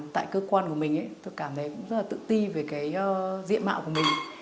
tại cơ quan của mình tôi cảm thấy cũng rất là tự ti về cái diện mạo của mình